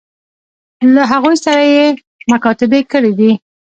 له هغوی سره یې مکاتبې کړي دي.